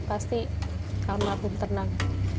pasti almarhum tenang